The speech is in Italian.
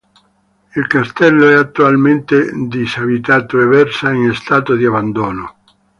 Il castello è attualmente disabitato e versa in stato di abbandono.